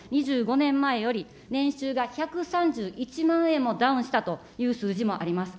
２５年前より年収が１３１万円もダウンしたという数字もあります。